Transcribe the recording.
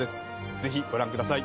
ぜひご覧ください。